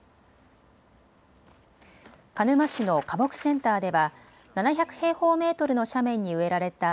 鹿沼市の花木センターでは７００平方メートルの斜面に植えられた